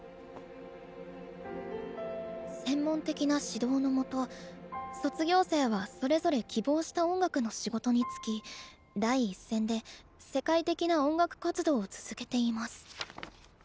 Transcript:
「専門的な指導のもと卒業生はそれぞれ希望した音楽の仕事に就き第一線で世界的な音楽活動を続けています」。